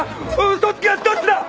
嘘つきはどっちだ！